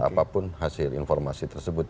apapun hasil informasi tersebut